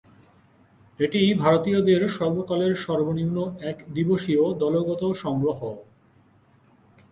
এটিই ভারতীয়দের সর্বকালের সর্বনিম্ন একদিবসীয় দলগত সংগ্রহ।